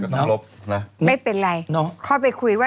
ไม่เป็นไรเขาไปคุยว่า